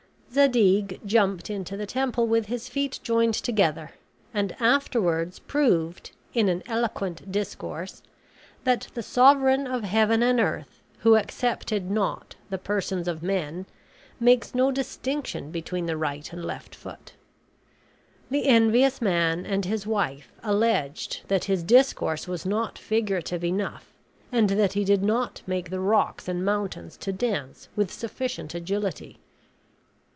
Zadig jumped into the temple with his feet joined together, and afterwards proved, in an eloquent discourse, that the Sovereign of heaven and earth, who accepted not the persons of men, makes no distinction between the right and left foot. The envious man and his wife alleged that his discourse was not figurative enough, and that he did not make the rocks and mountains to dance with sufficient agility.